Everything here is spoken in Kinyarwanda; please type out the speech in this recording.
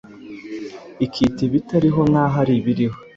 Ikita ibitariho nk’aho ari ibiriho